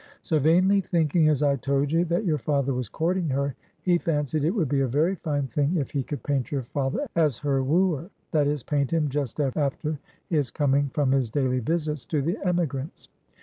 So vainly thinking, as I told you, that your father was courting her, he fancied it would be a very fine thing if he could paint your father as her wooer; that is, paint him just after his coming from his daily visits to the emigrants.